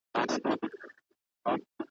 بوډا سومه د ژوند له هر پیونده یمه ستړی `